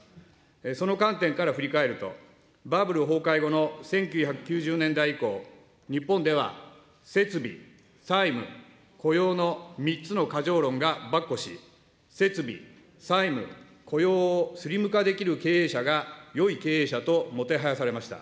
その観点から振り返ると、バブル崩壊後の１９９０年代以降、日本では設備、債務、雇用の３つの過剰論が跋扈し、設備、債務、雇用をスリム化できる経営者がよい経営者ともてはやされました。